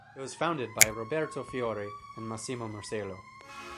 It was founded by Roberto Fiore and Massimo Morsello.